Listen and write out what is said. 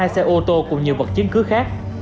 hai xe ô tô cùng nhiều vật chứng cứ khác